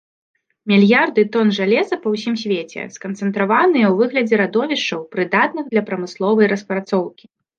Мільярды тон жалеза па ўсім свеце сканцэнтраваныя ў выглядзе радовішчаў, прыдатных для прамысловай распрацоўкі.